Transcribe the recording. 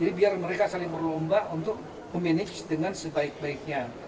jadi biar mereka saling berlomba untuk manage dengan sebaik baiknya